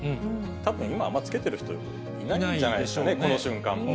たぶん今、あんまりつけてる人いないんじゃないですかね、この瞬間も。